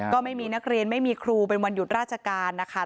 ก็ไม่มีนักเรียนไม่มีครูเป็นวันหยุดราชการนะคะ